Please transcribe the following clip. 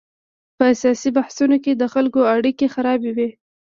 په سیاسي بحثونو کې د خلکو اړیکې خرابوي.